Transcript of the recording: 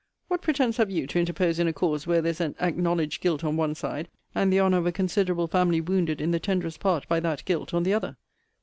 What pretence have you to interpose in a cause where there is an acknowledged guilt on one side, and the honour of a considerable family wounded in the tenderest part by that guilt on the other?